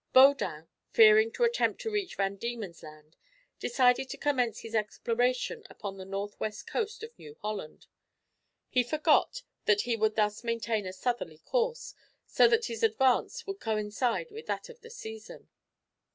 Baudin, fearing to attempt to reach Van Diemen's Land, decided to commence his exploration upon the north west coast of New Holland. He forgot that he would thus maintain a southerly course, so that his advance would coincide with that of the season.